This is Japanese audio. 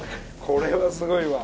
これはすごいわ。